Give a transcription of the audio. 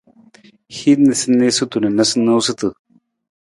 Hin niisaniisatu na noosunoosutu.